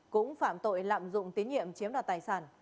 cũng phạm tội lạm dụng tín nhiệm chiếm đoạt tài sản